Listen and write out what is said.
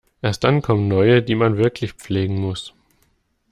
Erst dann kommen neue, die man wirklich pflegen muss.